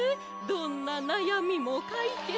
どんななやみもかいけつよ。